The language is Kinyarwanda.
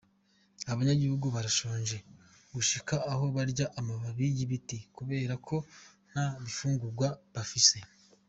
Abanyagihugu barashonje gushika aho barya amababi y'ibiti, kubera ko ata bifungugwa bafise.